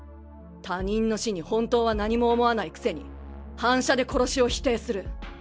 他人の死に本当は何も思わないくせに反射で殺しを否定する。